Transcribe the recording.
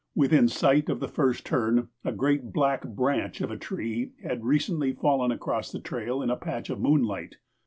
Within sight of the first turn a great black branch of a tree had recently fallen across the trail in a patch of moonlight.